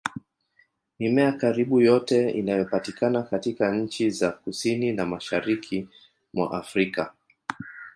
Mimea karibu yote inayopatikana katika nchi za Kusini na Mashariki mwa Afrika